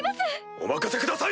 お任せください